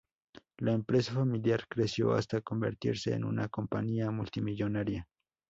La empresa familiar creció hasta convertirse en una compañía multimillonaria.